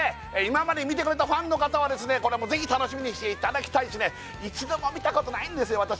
今まで見てくれたファンの方はぜひ楽しみにして頂きたいしね一度も見たことないんですよ